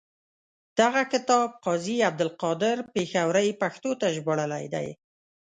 دغه کتاب قاضي عبدالقادر پیښوري پښتو ته ژباړلی دی.